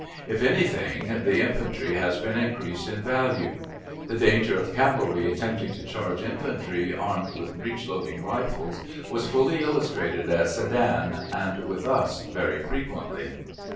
If any thing, the infantry has been increased in value. The danger of cavalry attempting to charge infantry armed with breech loading rifles was fully illustrated at Sedan, and with us very frequently.